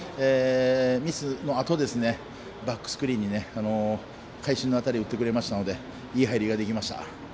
ミスのあと、バックスクリーンに会心の当たりを打ってくれましたのでいい入りができました。